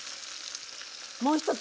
もう一つ